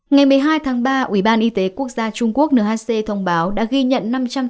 ngày một mươi hai tháng ba ủy ban y tế quốc gia trung quốc thông báo đã ghi nhận